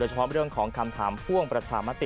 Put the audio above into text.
เฉพาะเรื่องของคำถามพ่วงประชามติ